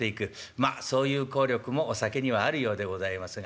まあそういう効力もお酒にはあるようでございますが。